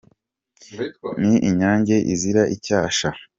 Ni inyange izira icyasha.